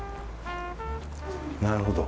なるほど。